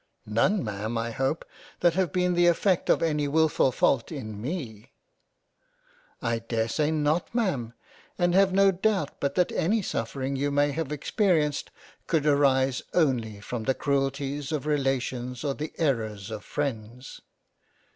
" None Ma'am I hope that have been the effect of any wilfull fault in me." " I dare say not Ma'am, and have no doubt but that any suffer ings you may have experienced could arise only from the cruelties of Relations or the Errors of Freinds."